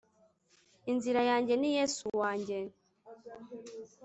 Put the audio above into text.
inzira yanjye ni yesu wanjye